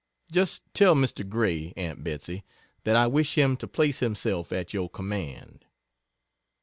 Just tell Mr. Gray, Aunt Betsey that I wish him to place himself at your command.